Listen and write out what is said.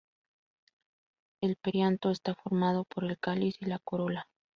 El perianto está formado por el cáliz y la corola.